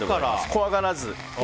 怖がらず。